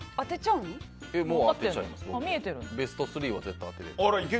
ベスト３を絶対当てる。